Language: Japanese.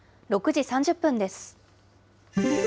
６時３０分です。